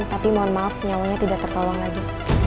tapi mohon maaf nyawanya tidak tertolong lagi